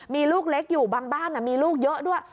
มีลูกเล็กอยู่บางบ้านมีลูกเยอะด้วย